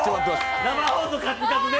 生放送カツカツで？